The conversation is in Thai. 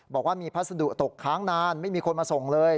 บอกว่ามีพัสดุตกค้างนานไม่มีคนมาส่งเลย